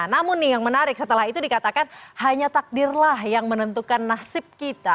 namun nih yang menarik setelah itu dikatakan hanya takdirlah yang menentukan nasib kita